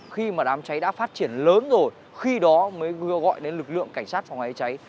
khi mà đám cháy đã phát triển lớn rồi khi đó mới vừa gọi đến lực lượng cảnh sát phòng cháy cháy